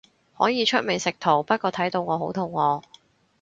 可以出美食圖，不過睇到我好肚餓